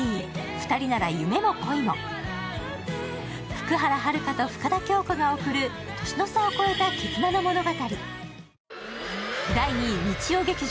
福原遥と深田恭子が贈る年の差を超えた絆の物語。